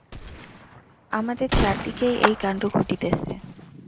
আমাদের চারিদিকেই এই কাণ্ড ঘটিতেছে।